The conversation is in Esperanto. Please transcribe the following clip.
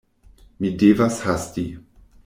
Mi devas hasti.